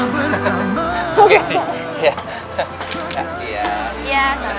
beneran nggak bisa